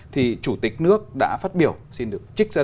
thì chủ tịch nước đã phát biểu